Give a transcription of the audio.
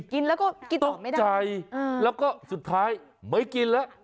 กินแล้วก็กินตกใจแล้วก็สุดท้ายไม่กินแล้ว